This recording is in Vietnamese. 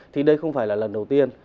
thì đây không phải là lần đầu tiên